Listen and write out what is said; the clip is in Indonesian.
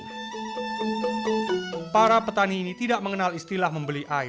tak ada pengurusan dan tidak ada dihubungkan